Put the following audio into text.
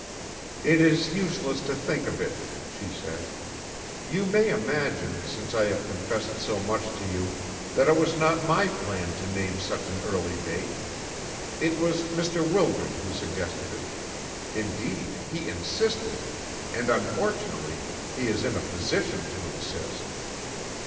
"It is useless to think of it," she said. "You may imagine, since I have confessed so much to you, that it was not my plan to name such an early date. It was Mr. Wildred who suggested it indeed, he insisted, and unfortunately he is in a position to insist."